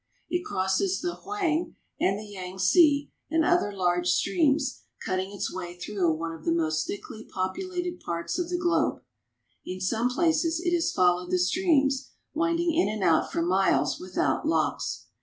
It crosses the Hoang and the Yangtze and other large streams, cutting its way through one of the most thickly populated parts of the globe. In some places it has followed the streams, winding in and out for miles without locks.